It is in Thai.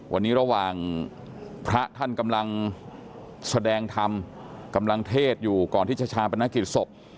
วันนี้ระหว่างพระท่านกำลังแสดงธรรมกำลังเทศอยู่ก่อนที่จะชาปนกิจศพ